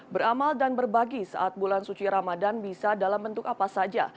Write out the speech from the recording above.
beramal dan berbagi saat bulan suci ramadan bisa dalam bentuk apa saja